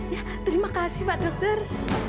ya terima kasih pak dokter